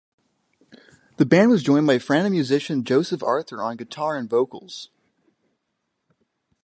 The band was joined by friend and musician Joseph Arthur on guitar and vocals.